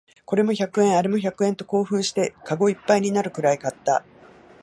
これも百円、あれも百円と興奮してカゴいっぱいになるくらい買った